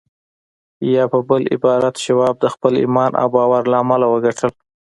يا په بل عبارت شواب د خپل ايمان او باور له امله وګټل.